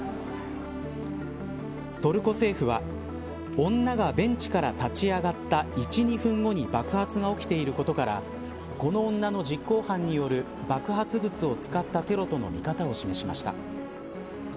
トルコ政府は女がベンチから立ち上がった１、２分後に爆発が起きていることからこの女の実行犯による爆発物を使ったテロとの見方を示しました。